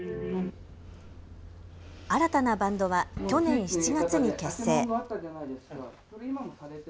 新たなバンドは去年７月に結成。